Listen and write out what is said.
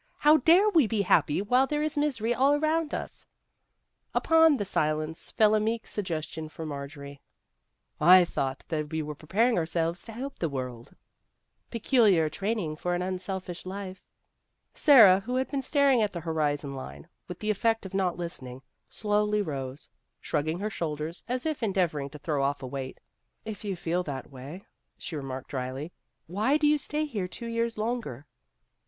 How dare we be happy while there is misery all around us?" One of the Girls 273 Upon the silence fell a meek suggestion from Marjorie :" I thought that we were preparing ourselves to help the world !"" Peculiar training for an unselfish life !" Sara, who had been staring at the horizon line with the effect of not listening, slowly rose, shrugging her shoulders as if en deavoring to throw off a weight. "If you feel that way," she remarked dryly, " why do you stay here two years longer